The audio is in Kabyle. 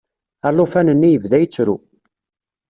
Alufan-nni yebda yettru.